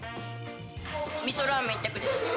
みそラーメン一択です。